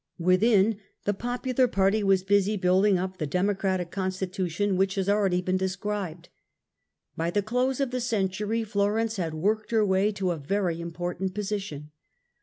Within, the popular party was busy building up the democratic constitution which has already been described. By the close of the century Florence had worked her way to a very important position.